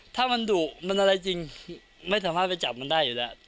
ถ้ามันดุมันอะไรจริงไม่สามารถไปจับมันได้อยู่แล้ว